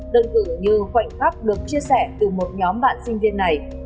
đơn cử như khoảnh khắc được chia sẻ từ một nhóm bạn sinh viên này